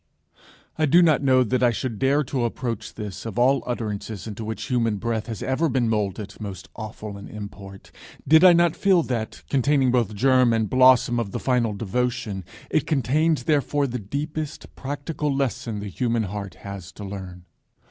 I do not know that I should dare to approach this, of all utterances into which human breath has ever been moulded, most awful in import, did I not feel that, containing both germ and blossom of the final devotion, it contains therefore the deepest practical lesson the human heart has to learn.